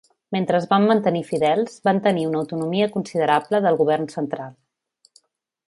Mentre es van mantenir fidels, van tenir una autonomia considerable del govern central.